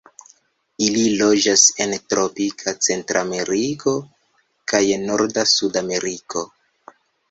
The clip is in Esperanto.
Ili loĝas en tropika Centrameriko kaj norda Sudameriko.